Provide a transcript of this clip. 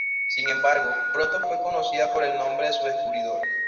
Sin embargo, pronto fue conocida por el nombre de su descubridor.